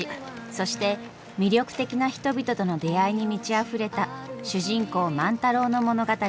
そして魅力的な人々との出会いに満ちあふれた主人公万太郎の物語。